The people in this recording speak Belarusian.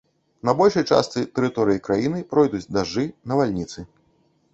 На большай частцы тэрыторыі краіны пройдуць дажджы, навальніцы.